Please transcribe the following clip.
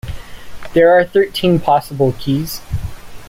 There are thirteen possible keys.